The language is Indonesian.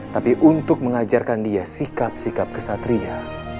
tapi untuk mengajarkan dia sikap sikap kesatria